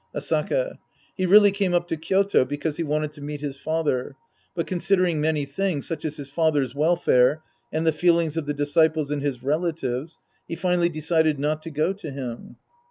Asaka. He really came up to Kyoto because he wanted to meet his father. But considering many things, such as his father's welfare, and the feelings of the disciples and his relatives, he finally decided not to go to him.